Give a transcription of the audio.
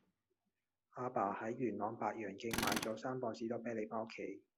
亞爸喺元朗白楊徑買左三磅士多啤梨返屋企